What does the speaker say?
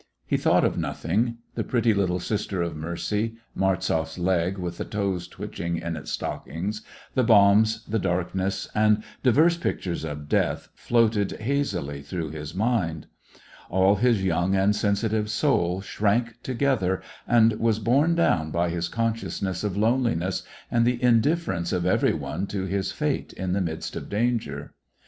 He thought of nothing ; the pretty little Sister of Mercy, Martzoff's leg with the toes twitching in its stocking, the bombs, the darkness, and divers pictures of death floated hazily through his mind. 1^8 SEVASTOPOL IN AUGUST. All his young and sensitive soul shrank together, and was borne down by his consciousness of lone liness, and the indifference of every one to his fate in the midst of danger.